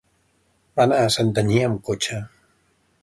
Va anar a Santanyí amb cotxe.